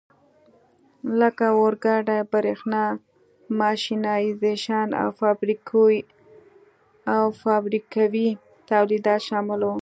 لکه اورګاډي، برېښنا، ماشینایزېشن او فابریکوي تولیدات شامل وو.